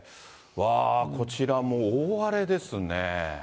わー、こちらも大荒れですね。